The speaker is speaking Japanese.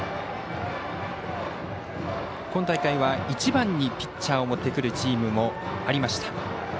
今大会は１番にピッチャーを持ってくるチームもありました。